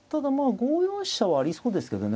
５四飛車はありそうですけどね